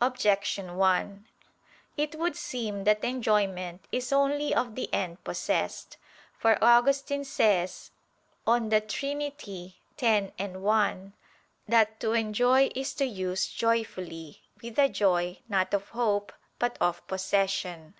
Objection 1: It would seem that enjoyment is only of the end possessed. For Augustine says (De Trin. x, 1) that "to enjoy is to use joyfully, with the joy, not of hope, but of possession."